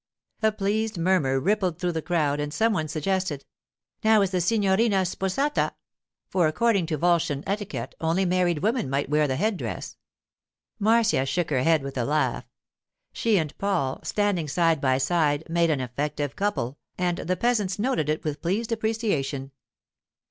A pleased murmur rippled through the crowd, and some one suggested, 'Now is the signorina sposata.' For, according to Volscian etiquette, only married woman might wear the head dress. Marcia shook her head with a laugh. She and Paul, standing side by side, made an effective couple, and the peasants noted it with pleased appreciation.